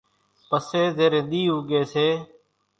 پسي زيرين ۮي اُوڳي سي